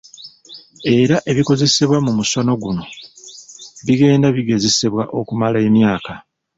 Era ebikozesebwa mu musono guno bigenda bigezesebwa okumala emyaka.